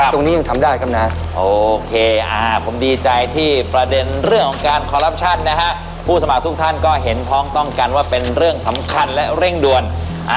ตอนนี้ก็ถือว่าต้องหาทางลงนะครูดาวนะ